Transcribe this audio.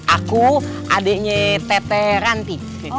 aku adeknya tete ranti